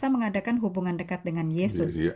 kita mengadakan hubungan dekat dengan yesus